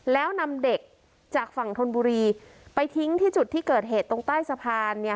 แล้วนำเด็กจากฝั่งธนบุรีไปทิ้งที่จุดที่เกิดเหตุตรงใต้สะพาน